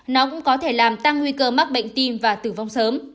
nó cũng có thể làm tăng nguy cơ mắc bệnh tim và tử vong sớm